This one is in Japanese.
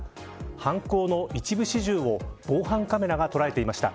犯行の一部始終を防犯カメラが捉えていました。